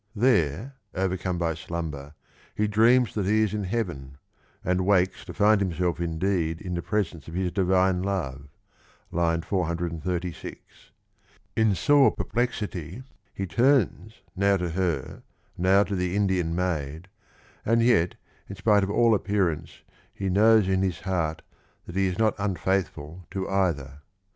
There, overcome by slumber, he dreams that he is in heaven, and wakes to find himself indeed in the presence of his divine love (436). In sore perplexity he turns, now to her, now to the Indian maid, and yet in spite of all appearance he knows in his heart that he is not unfaithful to either.